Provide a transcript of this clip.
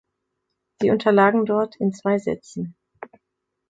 Sie unterlagen dort in zwei Sätzen.